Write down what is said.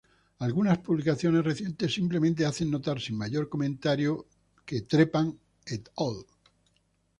Algunas publicaciones recientes simplemente hacen notar sin mayor comentario que Trepan "et al".